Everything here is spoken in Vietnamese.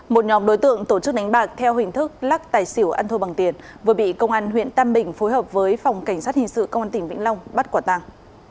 một nhóm đối tượng tổ chức đánh bạc theo hình thức lắc tài xỉu ăn thua bằng tiền vừa bị công an huyện tam bình phối hợp với phòng cảnh sát hình sự công an tỉnh vĩnh long bắt quả tàng